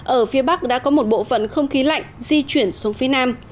ở phía bắc đã có một bộ phận không khí lạnh di chuyển xuống phía nam